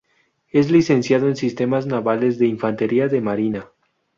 Es Licenciado en Sistemas Navales de Infantería de Marina.